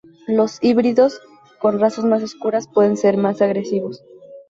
Los híbridos con razas más oscuras pueden ser más agresivos.